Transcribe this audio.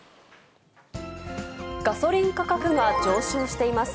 ガソリン価格が上昇しています。